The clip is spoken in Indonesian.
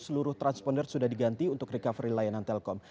seluruh transponder sudah diganti untuk recovery layanan telkom